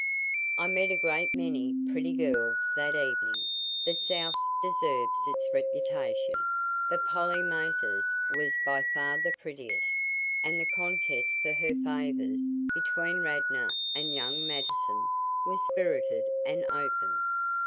I met a great many pretty girls that evening the South deserves its reputation but Polly Mathers was by far the prettiest; and the contest for her favors between Radnor and young Mattison was spirited and open.